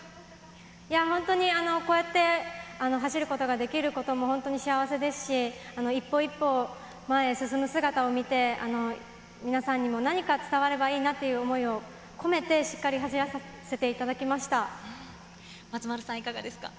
いやー、本当にこうやって走ることができることも本当に幸せですし、一歩一歩前へ進む姿を見て、皆さんにも何か伝わればいいなという想いを込めて、しっかり走ら松丸さん、いかがですか。